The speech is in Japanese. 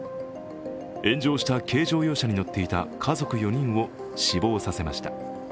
炎上した軽乗用車に乗っていた家族４人を死亡させました。